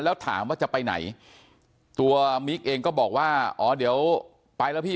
แล้วถามว่าจะไปไหนตัวมิ๊กเองก็บอกว่าอ๋อเดี๋ยวไปแล้วพี่